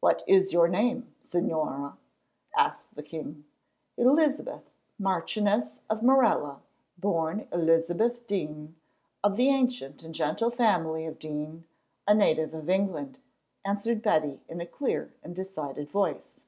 "What is your name, Señora?" asked the king. "Elizabeth, Marchioness of Morella, born Elizabeth Dene, of the ancient and gentle family of Dene, a native of England," answered Betty in a clear and decided voice.